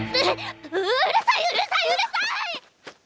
ううるさいうるさいうるさい！